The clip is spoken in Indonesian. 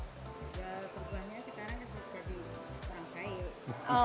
ya perubahnya sekarang masih jadi orang kaya